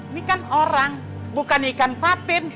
ini kan orang bukan ikan patin